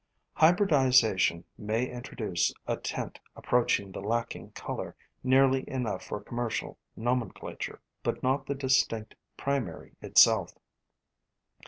Hybridization may introduce a tint approaching the lacking color nearly enough for commercial nomenclature, but not the distinct pri mary itself.